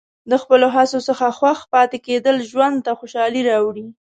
د خپلو هڅو څخه خوښ پاتې کېدل ژوند ته خوشحالي راوړي.